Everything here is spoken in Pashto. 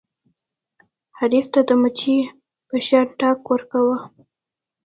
حریف ته د مچۍ په شان ټک ورکوه.